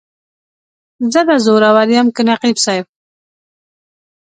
زه به زورور یم که نقیب صاحب.